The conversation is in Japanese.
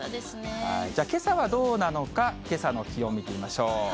じゃあ、けさはどうなのか、けさの気温見てみましょう。